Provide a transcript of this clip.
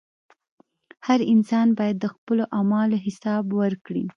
• هر انسان باید د خپلو اعمالو حساب ورکړي.